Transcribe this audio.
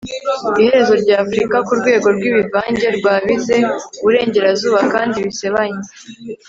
iherezo rya afrika kurwego rwibivange rwabize-uburengerazuba kandi bisebanya